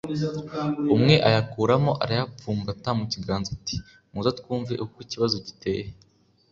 umwe ayakuramo arayapfumbata mu kiganza ati muze twumve uko ikibazo giteye